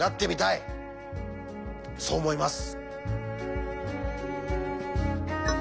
そう思います。